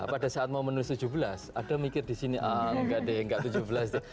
pada saat mau menulis tujuh belas ada mikir di sini enggak ada yang nggak tujuh belas deh